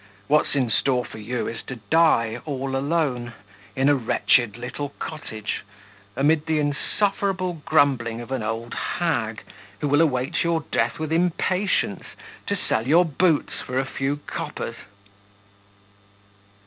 What's in store for you is to die all alone, in a wretched little cottage, amid the insufferable grumbling of an old hag who will await your death with impatience to sell your boots for a few coppers...'!